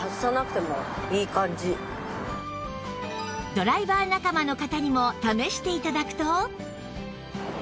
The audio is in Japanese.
ドライバー仲間の方にも試して頂くと